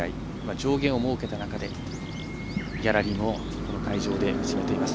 上限を設けた中でギャラリーもこの会場に集まっています。